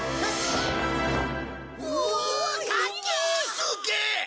すげえ！